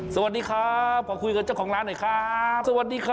สวัสดีครับขอคุยกับเจ้าของร้านหน่อยครับสวัสดีครับ